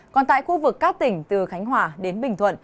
còn tại khu vực các tỉnh từ khánh hòa đến bình thuận